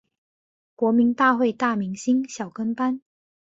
国民大会大明星小跟班